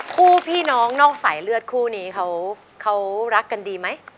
พี่น้องนอกสายเลือดคู่นี้เขารักกันดีไหม